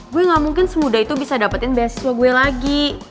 gue gak mungkin semudah itu bisa dapetin beasiswa gue lagi